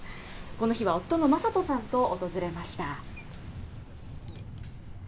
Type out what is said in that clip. この日は夫の昌人さんと訪れました。